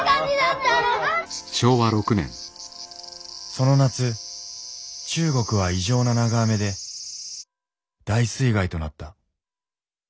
その夏中国は異常な長雨で大水害となった。